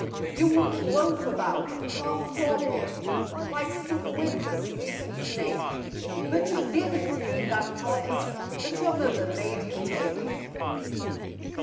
You would loaf about, half torpid, like some winter sleeping snake. But you DIDN'T need that tonic that your mother made you take.